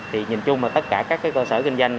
thì nhìn chung là tất cả các cơ sở kinh doanh